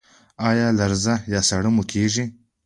ایا لرزه یا ساړه مو کیږي؟